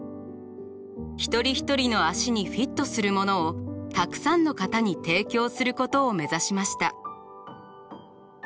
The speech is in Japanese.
一人一人の足にフィットするものをたくさんの方に提供することを目指しました。